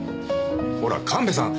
ほら神戸さん